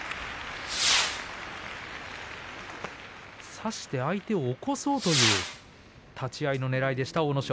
差して相手を起こそうという立ち合いのねらいでした阿武咲。